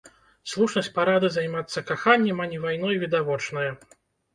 Слушнасць парады займацца каханнем, а не вайной відавочная.